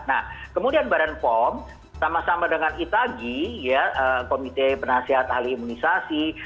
nah kemudian badan pom sama sama dengan itagi komite penasihat halilimunisasi